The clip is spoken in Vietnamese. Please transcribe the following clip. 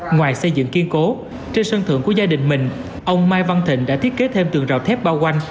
ngoài xây dựng kiên cố trên sân thượng của gia đình mình ông mai văn thịnh đã thiết kế thêm tường rào thép bao quanh